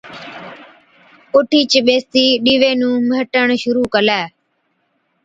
اُٺِيچ ٻيستِي ڏِيوي نُون مهٽڻ شرُوع ڪلَي۔